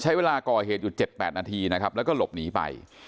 ใช้เวลาก่อเหตุอยู่๗๘นาทีนะครับแล้วก็หลบหนีไป